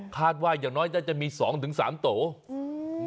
ว่าอย่างน้อยน่าจะมีสองถึงสามโตอืม